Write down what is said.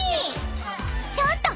［ちょっと！